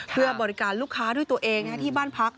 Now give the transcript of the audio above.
เพื่อบริการลูกค้าด้วยตัวเองที่บ้านพัก